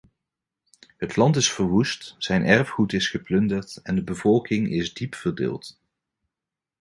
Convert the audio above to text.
Het land is verwoest, zijn erfgoed is geplunderd en de bevolking is diep verdeeld.